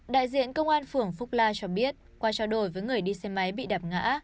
đại diện công an phường phúc la cho biết qua trao đổi với người đi xe máy bị đạp ngã